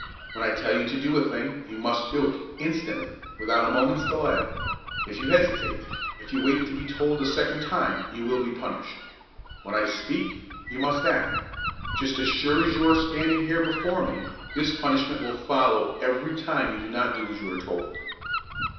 When I tell you to do a thing, you must do it, instantly; without a moment's delay. If you hesitate, if you wait to be told a second time, you will be punished. When I speak, you must act. Just as sure as you are standing here before me, this punishment will follow every time you do not do as you are told."